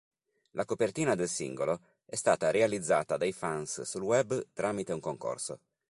La copertina del singolo è stata realizzata dai fans sul web tramite un concorso.